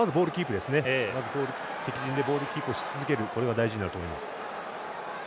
まず、敵陣でボールキープをし続けることが大事だと思います。